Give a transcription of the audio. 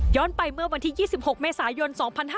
ย้อนไปเมื่อวันที่๒๖เมษายน๒๕๖๒